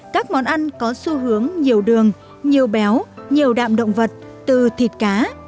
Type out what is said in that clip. các món ăn có xu hướng nhiều đường nhiều béo nhiều đạm động vật từ thịt cá